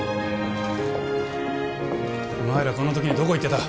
お前らこんな時にどこ行ってた？